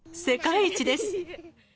世界一です。